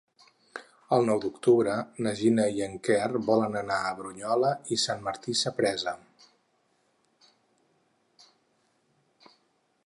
El nou d'octubre na Gina i en Quer volen anar a Brunyola i Sant Martí Sapresa.